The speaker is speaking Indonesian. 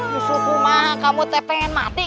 susulku mah kamu tak pengen mati